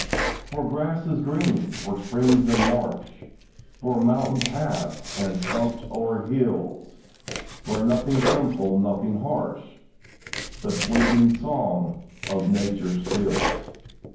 For grasses green, for springs and marsh, For mountain paths and tramps o'er hills Where nothing sinful—nothing harsh— The sweetening song of Nature stills!